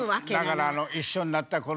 だからあの一緒になった頃